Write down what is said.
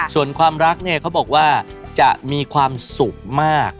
ส่วนความรักเนี่ยเขาบอกว่าจะมีความสุขมาก